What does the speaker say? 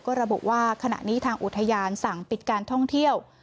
ก็ระบุว่าขณะนี้ทางอุทยานสั่งปิดการท่องเที่ยว